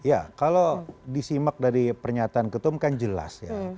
ya kalau disimak dari pernyataan ketum kan jelas ya